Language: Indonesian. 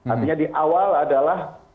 artinya di awal adalah